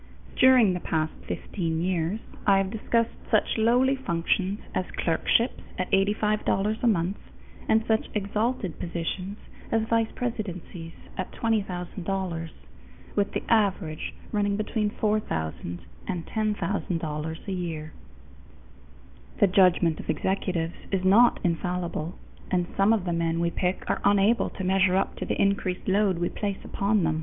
During the past fifteen years, I have discussed such lowly functions as clerkships at $85 a month and such exalted positions as vice presidencies at $20,000, with the average running between $4000 and $10,000 a year. The judgment of executives is not infallible, and some of the men we pick are unable to measure up to the increased load we place upon them.